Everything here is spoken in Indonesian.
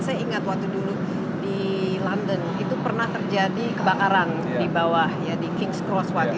saya ingat waktu dulu di london itu pernah terjadi kebakaran di bawah di kings crosswage